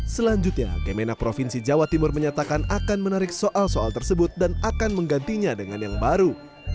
selanjutnya kemenak provinsi jawa timur menyatakan akan menarik soal soal tersebut dan akan menggantinya dengan yang baru